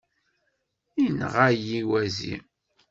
Inɣa-yi wazi.